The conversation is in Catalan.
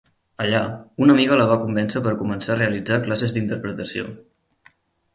Allà, una amiga la va convèncer per començar a realitzar classes d'interpretació.